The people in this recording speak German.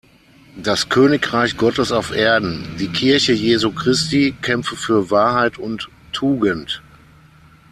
Das Königreich Gottes auf Erden, die Kirche Jesu Christi, kämpfe für Wahrheit und Tugend.